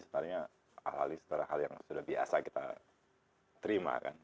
sebenarnya ahli ahli yang sudah biasa kita terima kan